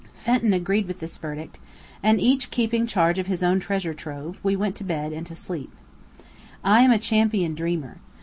Fenton agreed with this verdict, and each keeping charge of his own treasure trove, we went to bed and to sleep. I am a champion dreamer.